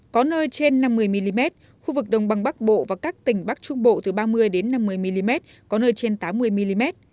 có nơi trên năm mươi mm khu vực đồng bằng bắc bộ và các tỉnh bắc trung bộ từ ba mươi năm mươi mm có nơi trên tám mươi mm